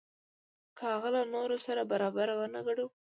که هغه له نورو سره برابر ونه ګڼو.